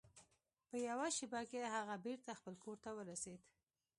په یوه شیبه کې هغه بیرته خپل کور ته ورسید.